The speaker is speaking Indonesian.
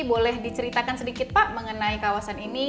boleh diceritakan sedikit pak mengenai kawasan ini